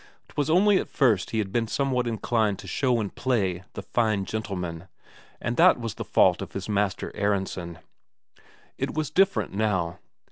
'Twas only at first he had been somewhat inclined to show and play the fine gentleman, and that was the fault of his master Aronsen. It was different now.